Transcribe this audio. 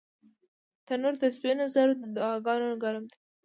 تنور د سپین زرو د دعاګانو ګرم دی